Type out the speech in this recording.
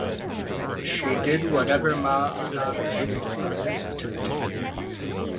She did whatever Ma Anand Sheela asked her to do.